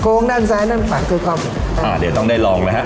โก้งด้านซ้ายด้านฝั่งคือข้อหมูอ่าเดี๋ยวต้องได้ลองแล้วฮะ